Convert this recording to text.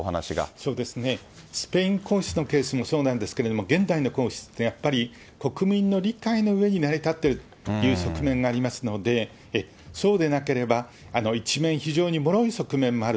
そうですね、スペイン皇室の件もそうなんですけども、現代の皇室ってやっぱり、国民の理解のうえに成り立っているという側面がありますので、そうでなければ、一面、非常にもろい側面もある。